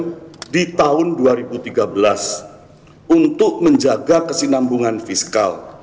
yang diperlukan oleh pemerintah di tahun dua ribu tiga belas untuk menjaga kesinambungan fiskal